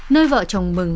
nơi vợ chồng mừng